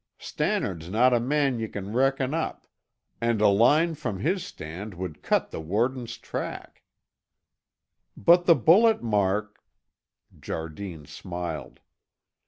Stannard's no' a man ye can reckon up, and a line from his stand would cut the warden's track." "But the bullet mark " Jardine smiled.